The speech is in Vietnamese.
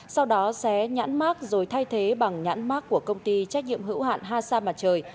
sau đó xé nhãn mác rồi thay thế bằng nhãn mác của công ty trách nhiệm hữu hạn hà sa mặt trời